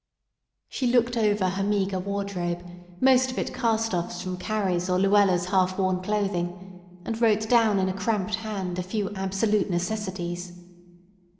She looked over her meagre wardrobe, most of it cast offs from Carrie's or Luella's half worn clothing, and wrote down in a cramped hand a few absolute necessities.